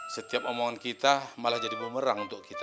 setiap omongan kita malah jadi bumerang untuk kita